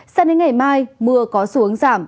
sẽ đến ngày mai mưa có xuống giảm